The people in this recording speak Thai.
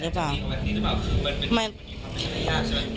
คือมันไม่ยากใช่ป่ะ